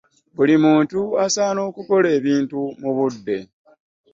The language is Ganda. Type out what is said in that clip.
Buli muntu asaana okulola ekintu mu budde.